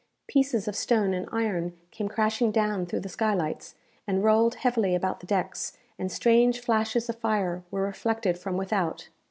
Pieces of stone and iron came crashing down through the skylights, and rolled heavily about the decks, and strange flashes of fire were reflected from without.